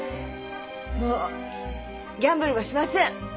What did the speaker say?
もうギャンブルはしません。